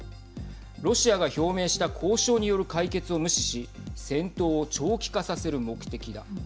ロシアが表明した交渉による解決を無視し戦闘を長期化させる目的だ。